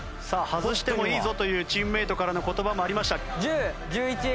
「外してもいいぞ」というチームメイトからの言葉もありました。